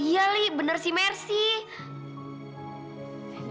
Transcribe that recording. iya li bener sih mer sih